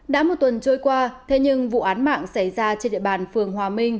đã một tuần trôi qua thế nhưng vụ án mạng xảy ra trên địa bàn phường hòa minh